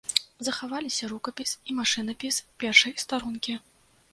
Захаваліся рукапіс і машынапіс першай старонкі.